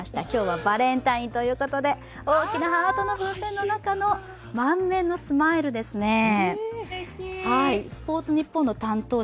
今日はバレンタインということで大きなハートの風船の中の満面のスマイルですね。